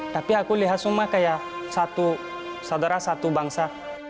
tapi aku lihat semua kayak satu saudara satu bangsa